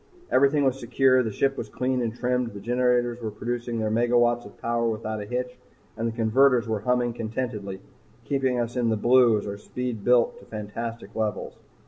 Everything was secure, the ship was clean and trimmed, the generators were producing their megawatts of power without a hitch, and the converters were humming contentedly, keeping us in the blue as our speed built to fantastic levels.